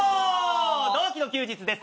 同期の休日です。